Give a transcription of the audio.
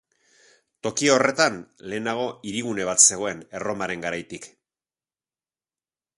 Toki horretan, lehenago hirigune bat zegoen Erromaren garaitik.